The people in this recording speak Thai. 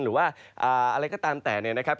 หรือว่าอะไรก็ตามแต่เนี่ยนะครับ